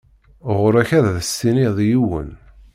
Ɣuṛ-k ad as-tiniḍ i yiwen.